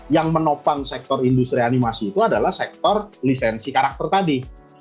yang menopang sektor industri animasi itu adalah sektor lisensi karakter tadi